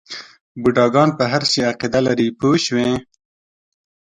بوډاګان په هر شي عقیده لري پوه شوې!.